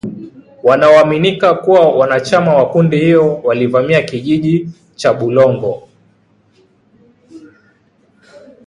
wanaoaminika kuwa wanachama wa kundi hilo walivamia kijiji cha Bulongo